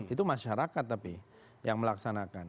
itu masyarakat tapi yang melaksanakan